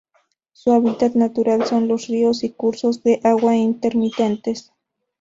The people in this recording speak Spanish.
Su hábitat natural son los ríos y cursos de agua intermitentes.